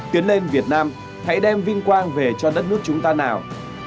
tiến lên việt nam hãy đem vinh quang về cho đất nước chúng ta nào